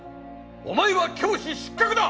お前は教師失格だ！